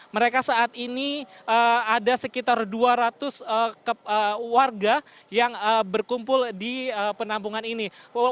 mereka saat ini ada sekitar dua ratus warga yang berkumpul di penampungan ini